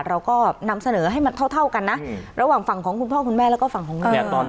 เราก็นำเสนอให้มันเท่าเท่ากันนะระหว่างฝั่งของคุณพ่อคุณแม่แล้วก็ฝั่งของงาน